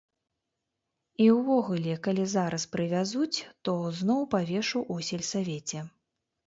І ўвогуле, калі зараз прывязуць, то зноў павешу ў сельсавеце.